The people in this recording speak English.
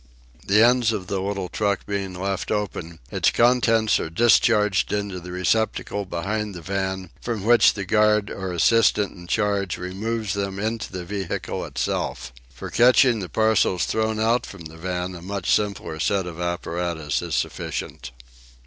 The ends of the little truck being left open, its contents are discharged into the receptacle behind the van, from which the guard or assistant in charge removes them into the vehicle itself. For catching the parcels thrown out from the van a much simpler set of apparatus is sufficient.